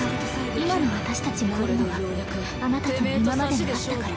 今の私たちがあるのはあなたとの今までがあったから。